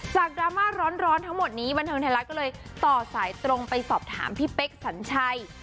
ดราม่าร้อนทั้งหมดนี้บันเทิงไทยรัฐก็เลยต่อสายตรงไปสอบถามพี่เป๊กสัญชัย